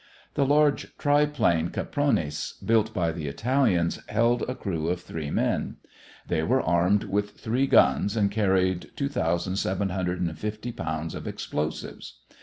The large triplane Capronis built by the Italians held a crew of three men. They were armed with three guns and carried 2750 pounds of explosives.